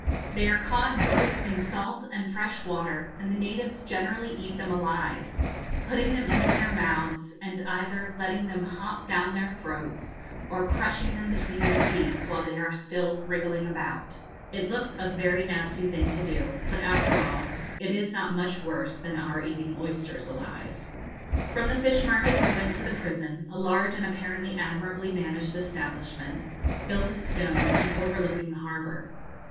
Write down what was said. They are caught both in salt and fresh water, and the natives generally eat them alive, putting them into their mouths, ana either letting them hop down their throats, or crushing them between their teeth while they are still wriggling about. It looks a very nasty thing to do, but, after all, it is not much worse than our eating oysters alive. [Illustration: Chalcedon Imperator.] From the fish market we went to the prison, a large and apparently admirably managed establishment, built of stone, and overlooking the harbour.